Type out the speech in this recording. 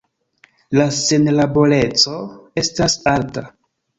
La senlaboreco estas alta.